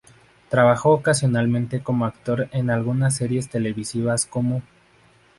Trabajó ocasionalmente como actor en algunas series televisivas, como